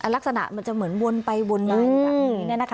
ลักษณะมันจะเหมือนวนไปวนมาอยู่แบบนี้